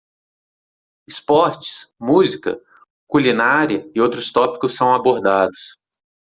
Esportes? música? culinária e outros tópicos são abordados.